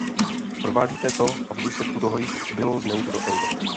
Provádíte to a v důsledku toho již bylo zneužito euro.